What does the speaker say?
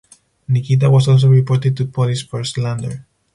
Nikita was also reported to police for slander.